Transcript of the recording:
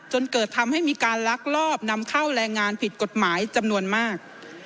จนเกิดทำให้มีการลักลอบนำเข้าแรงงานผิดกฎหมายจำนวนมาก